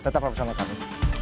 tetap bersama kami